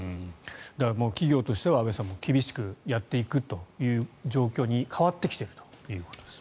だから、企業としては安部さん厳しくやっていくという状況に変わってきているということですね。